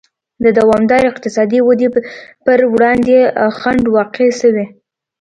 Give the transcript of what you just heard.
د دوامدارې اقتصادي ودې پر وړاندې خنډ واقع شوی.